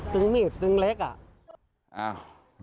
ตึงหมีดตึงเล็กครับ